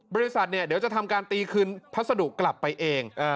บริษัทเดี๋ยวจะทำการตีคืนพัสดุกลับไปเอง